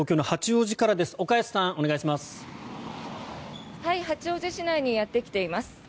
八王子市内にやってきています。